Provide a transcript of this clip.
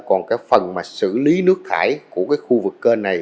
còn cái phần mà xử lý nước thải của cái khu vực kênh này